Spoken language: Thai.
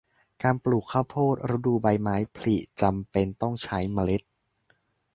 การปลูกข้าวโพดฤดูใบไม้ผลิจำเป็นต้องใช้เมล็ด